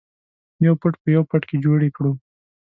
یو فټ په یو فټ کې جوړې کړو.